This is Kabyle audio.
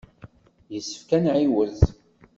Yessefk ad nɛiwez.